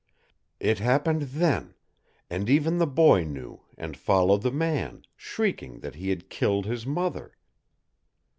It happened THEN, and even the boy knew, and followed the man, shrieking that he had killed his mother."